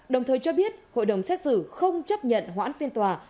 đồng thời cho biết hội đồng xét xử không chấp nhận hoãn phiên tòa